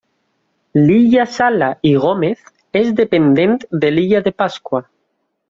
L'illa Sala i Gómez és dependent de l'illa de Pasqua.